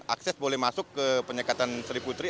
akses boleh masuk ke penyekatan seribu tri